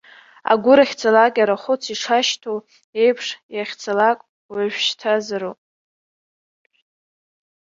Агәыр ахьцалак арахәыц шашьҭоу еиԥш, иахьцалак уажәшьҭазароуп.